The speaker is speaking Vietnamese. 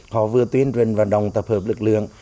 họ vừa tuyên truyền và đồng tập hợp lực lượng